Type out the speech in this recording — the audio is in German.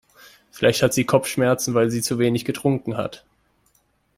Vielleicht hat sie Kopfschmerzen, weil sie zu wenig getrunken hat.